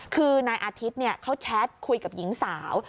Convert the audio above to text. คือนายอาทิตย์เขาแชทคุยกับหญิงสาว